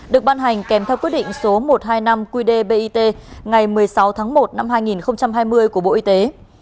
được ban hành kèm theo quyết định số một trăm hai mươi năm qdbit ngày một mươi sáu tháng một năm hai nghìn hai mươi của bộ y tế